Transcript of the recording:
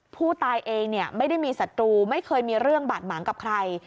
ผู้ตายเองไม่ได้มีศัตรูไม่เคยมีเรื่องบาดหมางกับใคร